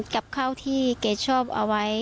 กับข้าวที่แกชอบเอาไว้